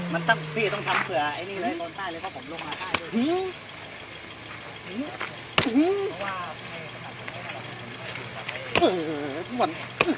มันต้องพี่ต้องทำเผื่อไอ้นี่เลยตรงใต้หรือว่าผมลงมาใต้ด้วย